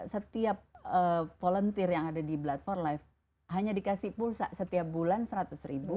setiap volunteer yang ada di blood for life hanya dikasih pulsa setiap bulan seratus ribu